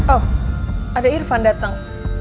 oh ada irvan dateng